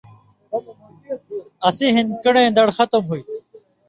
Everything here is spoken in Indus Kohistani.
اسی ہِن کن٘ڑیں دڑ ختم ہوتھی